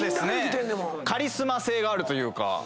カリスマ性があるというか。